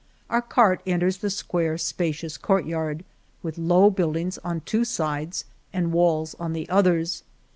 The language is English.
Our cart enters the square spacious courtyard, with low build ings on two sides and walls on the others.